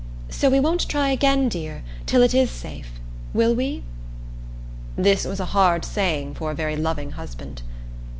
So we won't try again, dear, till it is safe will we?" This was a hard saying for a very loving husband.